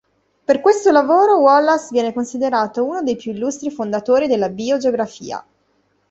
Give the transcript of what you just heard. Per questo lavoro, Wallace viene considerato uno dei più illustri fondatori della biogeografia.